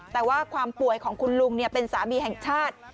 แต่ว่าความป่วยของคุณลุงเป็นสามีแห่งชาติ